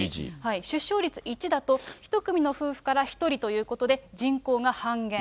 出生率１だと１組の夫婦から１人ということで、人口が半減。